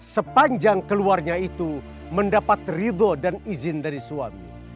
sepanjang keluarnya itu mendapat ridho dan izin dari suami